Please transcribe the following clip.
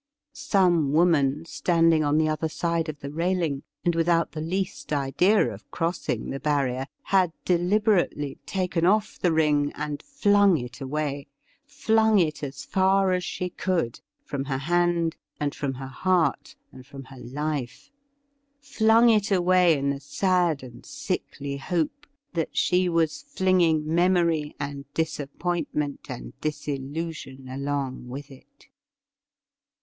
Some woman, standing on the other side of the railing, and without the least idea of crossing the barrier, had deliberately taken off the ring and flung it away — flung it as far as she could, from her hand, and from her heart, and from her life — ^flung it away in the sad and sickly hope that she was flinging memory, and dis appointment, and disillusion along with it.